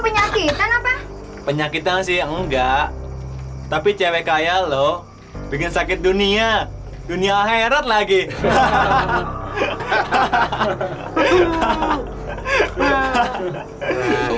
penyakitan apa penyakit masih enggak tapi cewek kayak lo bikin sakit dunia dunia herat lagi hahaha